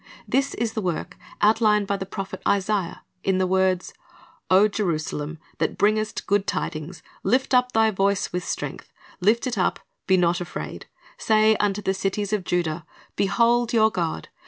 This is the work outlined by the prophet Isaiah in the words, "O Jerusalem, that bringest good tidings, lift up thy voice with strength; lift it up, be not afraid; say unto the cities of Judah, Behold your God!